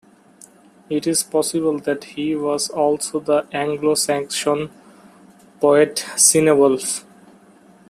It is possible that he was also the Anglo-Saxon poet Cynewulf.